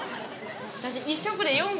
私。